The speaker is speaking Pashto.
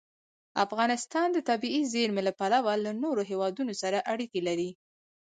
افغانستان د طبیعي زیرمې له پلوه له نورو هېوادونو سره اړیکې لري.